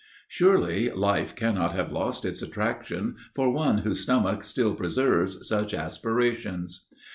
Surely, life cannot have lost its attractions for one whose stomach still preserves such aspirations."